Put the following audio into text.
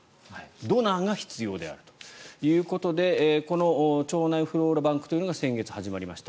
ドナーが必要であるということで腸内フローラバンクというのが先月始まりました。